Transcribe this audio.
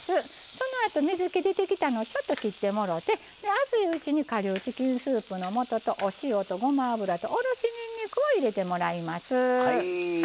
そのあと、水け出てきたのを切ってもらって熱いうちに顆粒チキンスープのもととお塩とごま油とおろしにんにくを入れてもらいます。